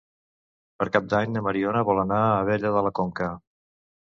Per Cap d'Any na Mariona vol anar a Abella de la Conca.